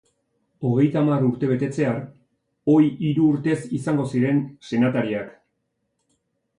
Hogeita hamar urte betetzear, ohi hiru urtez izango ziren senatariak.